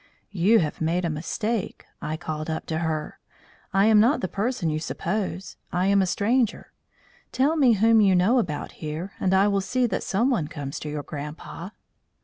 "You have made a mistake," I called up to her. "I am not the person you suppose. I am a stranger. Tell me whom you know about here and I will see that someone comes to your grandpa."